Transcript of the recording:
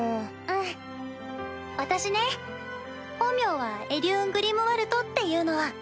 うん私ね本名はエリューン・グリムワルトっていうの。